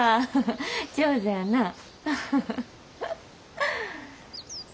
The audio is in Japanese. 上手やなぁ。